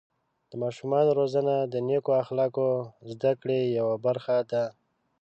د ماشومانو روزنه د نیکو اخلاقو د زده کړې یوه برخه ده.